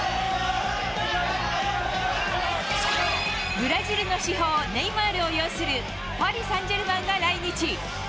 ブラジルの至宝、ネイマールを擁する、パリサンジェルマンが来日。